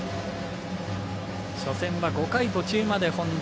初戦は５回途中まで本田。